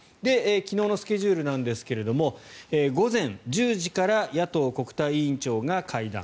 昨日のスケジュールなんですが午前１０時から野党国対委員長が会談。